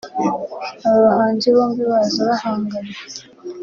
Aba bahanzi bombi bazaba bahanganye